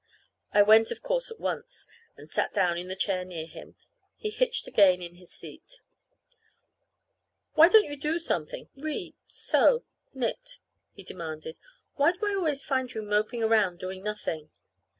I went, of course, at once, and sat down in the chair near him. He hitched again in his seat. "Why don't you do something read, sew, knit?" he demanded. "Why do I always find you moping around, doing nothing?"